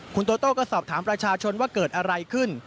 คุณโตโต้ก็สอบถามประชาชนว่าเกิดอะไรขึ้น